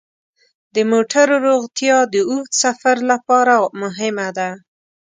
د موټرو روغتیا د اوږد سفر لپاره مهمه ده.